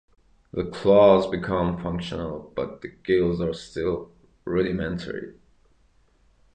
The claws become functional, but the gills are still rudimentary.